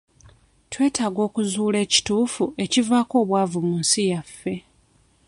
Twetaaga okuzuula ekituufu ekivaako obwavu mu nsi yaffe.